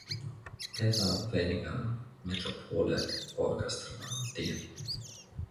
Peter Weniger Metropole Orchestra dir.